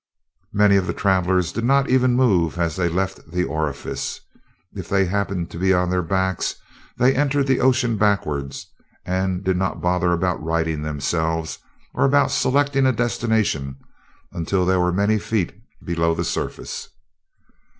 Many of the travelers did not even move as they left the orifice. If they happened to be on their backs, they entered the ocean backward and did not bother about righting themselves or about selecting a destination until they were many feet below the surface.